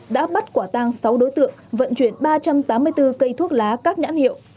đã bắt quả tang sáu đối tượng vận chuyển ba trăm tám mươi bốn cây thuốc lá các nhãn hiệu